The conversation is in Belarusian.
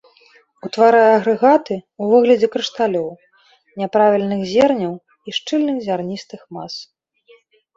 Утварае агрэгаты ў выглядзе крышталёў, няправільных зерняў і шчыльных зярністых мас.